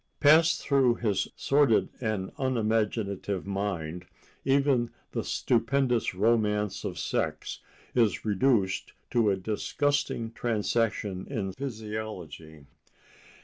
Passed through his sordid and unimaginative mind, even the stupendous romance of sex is reduced to a disgusting transaction in physiology.